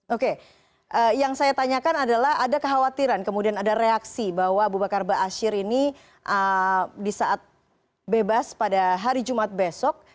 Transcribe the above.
oke yang saya tanyakan adalah ada kekhawatiran kemudian ada reaksi bahwa abu bakar ⁇ baasyir ⁇ ini di saat bebas pada hari jumat besok